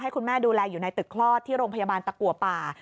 คุณแม่ดูแลอยู่ในตึกคลอดที่โรงพยาบาลตะกัวป่า